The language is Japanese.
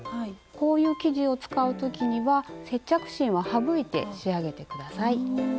こういう生地を使う時には接着芯を省いて仕上げて下さい。